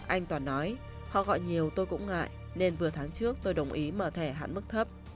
anh toàn nói họ gọi nhiều tôi cũng ngại nên vừa tháng trước tôi đồng ý mở thẻ hạn mức thấp